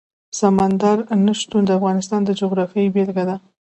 سمندر نه شتون د افغانستان د جغرافیې بېلګه ده.